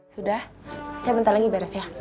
sudah saya bentar lagi beres ya